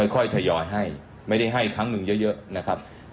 ค่อยทยอยให้ไม่ได้ให้ครั้งหนึ่งเยอะนะครับ